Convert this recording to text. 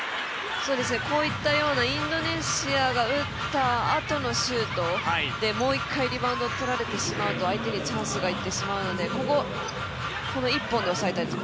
こういったようなインドネシアが打ったあとのシュートでもう一回リバウンドとられてしまうと相手にチャンスがいってしまうのでここ、この一本で抑えたいです。